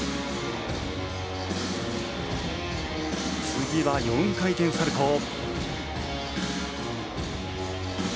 次は４回転サルコウ。